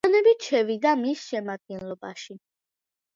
მოგვიანებით შევიდა მის შემადგენლობაში.